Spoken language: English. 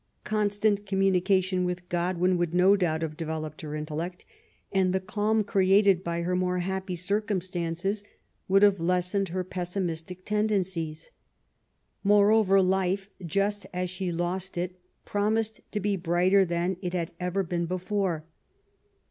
Constant communica tion with Godwin would no doubt have developed her intellect, and the calm created by her more happy cir cumstances would have lessened her pessimistic ten dencies. Moreover, life, just as she lost it, promised to be brighter than it had ever been before.